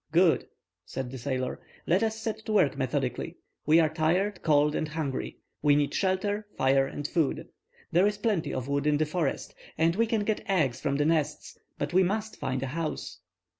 "Good," said the sailor. "Let us set to work methodically. We are tired, cold, and hungry: we need shelter, fire, and food. There is plenty of wood in the forest, and we can get eggs from the nests; but we must find a house."